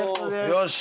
よし！